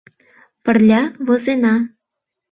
— Пырля возена.